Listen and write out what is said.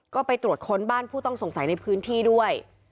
ก็ไปตรวจค้นบ้านผู้ต้องสงสัยในพื้นที่ด้วย